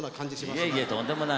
いえいえとんでもない。